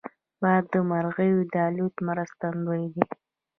باد د مرغیو د الوت مرستندوی دی